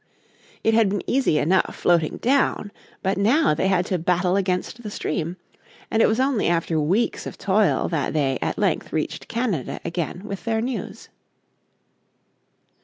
It had been easy enough floating down, but now they had to battle against the stream, and it was only after weeks of toil that they at length reached Canada again with their news.